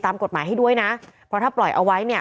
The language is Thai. ตามกฎหมายให้ด้วยนะเพราะถ้าปล่อยเอาไว้เนี่ย